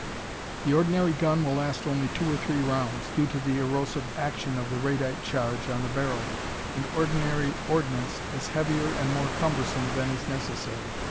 The ordinary gun will last only two or three rounds, due to the erosive action of the radite charge on the barrel, and ordinary ordnance is heavier and more cumbersome than is necessary.